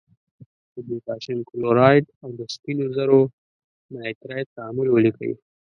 د پوتاشیم کلورایډ او د سپینو زور نایتریت تعامل ولیکئ.